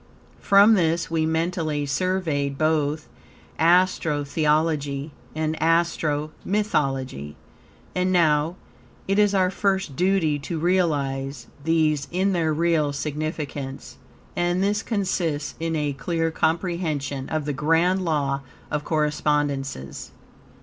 From this we mentally surveyed both Astro Theology and Astro Mythology; and now, it is our first duty to realize these in their real significance, and this consists in a clear comprehension of the Grand Law of Correspondences.